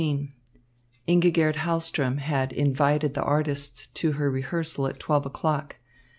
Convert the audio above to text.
XVI Ingigerd Halström had "invited" the artists to her rehearsal at twelve o'clock.